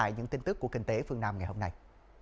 đây là những tin tức của kinh tế phương nam ngày hôm nay